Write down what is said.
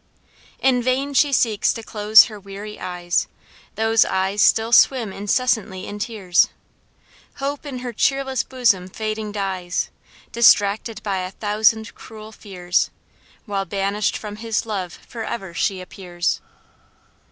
"In vain she seeks to close her weary eyes, Those eyes still swim incessantly in tears Hope in her cheerless bosom fading dies, Distracted by a thousand cruel fears, While banish'd from his love forever she appears."